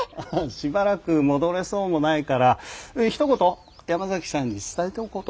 しばらく戻れそうもないからひと言山崎さんに伝えておこうと思って。